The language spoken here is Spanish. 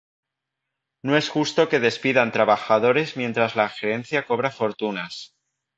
No es justo que despidan trabajadores mientras la gerencia cobra fortunas.